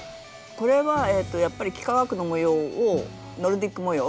これはやっぱり幾何学の模様をノルディック模様。